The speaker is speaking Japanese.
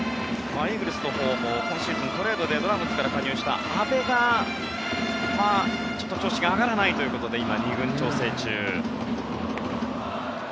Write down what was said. イーグルスのほうも今シーズン、トレードでドラゴンズから加入した阿部が調子が上がらないということで今、２軍調整中。